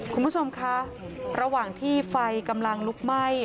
คุณผู้ชมคะระหว่างที่ไฟกำลังลุกไหม้